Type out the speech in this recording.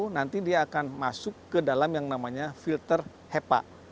nanti dia akan masuk ke dalam yang namanya filter hepa